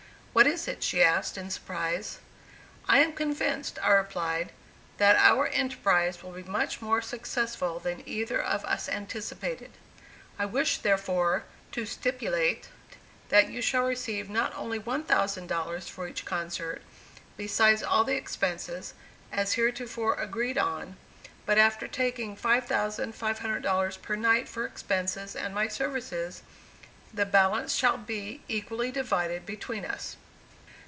"What is it?" she asked in surprise. "I am convinced," I replied, "that our enterprise will be much more successful than either of us anticipated. I wish, therefore, to stipulate that you shall receive not only $1,000 for each concert, besides all the expenses, as heretofore agreed on, but after taking $5,500 per night for expenses and my services, the balance shall be equally divided between us."